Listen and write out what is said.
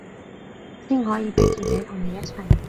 先可以逼自己同你一齊